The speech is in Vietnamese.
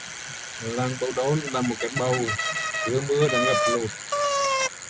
Làng Bầu đôn là một cái bầu, chưa mưa đã ngập lụt